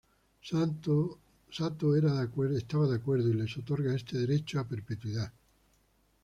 Sato está de acuerdo, y les otorga este derecho a perpetuidad.